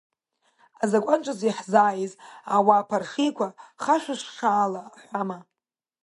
Азакәан ҿыц иаҳзааиз, ауаа ԥаршеиқәа хашәышшаала аҳәама?